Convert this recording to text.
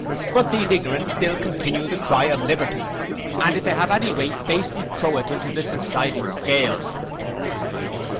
But these ignorants still continue the cry of liberty, and if they have any weight basely throw it into the subsiding scale.